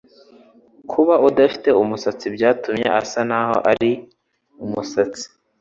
Kuba adafite umusatsi byatumye asa naho ari umusatsi.